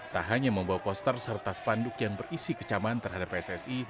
tak hanya membawa poster serta spanduk yang berisi kecaman terhadap pssi